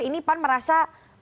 ini pan merasa